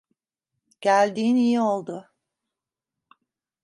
Geldiğin iyi oldu.